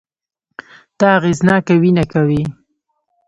ته اغېزناکه وينه کوې